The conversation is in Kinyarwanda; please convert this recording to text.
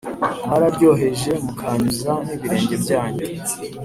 Mwararyoheje mukahanyuza nibirenge byanyu